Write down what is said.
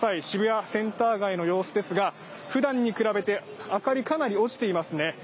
渋谷センター街の様子ですがふだんに比べて明かり、かなり落ちていますね。